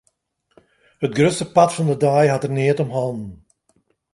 It grutste part fan de dei hat er neat om hannen.